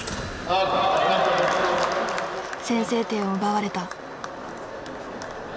先制点を奪われた。